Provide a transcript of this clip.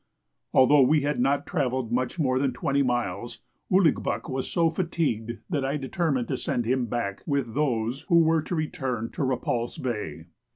Although we had not travelled much more than twenty miles, Ouligbuck was so fatigued that I determined to send him back with those who were to return to Repulse Bay.